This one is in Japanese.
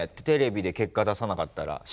テレビで結果出さなかったら。